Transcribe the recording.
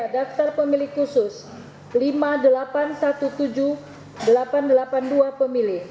tiga daftar pemilih khusus lima delapan satu tujuh delapan delapan dua pemilih